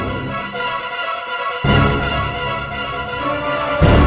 udah lebih jauh nanti ya noben fakta